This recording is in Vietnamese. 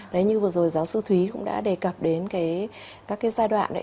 đấy như vừa rồi giáo sư thúy cũng đã đề cập đến các cái giai đoạn